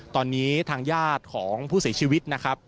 ตอนนี้ทางญาติของผู้เสียชีวิตนะครับ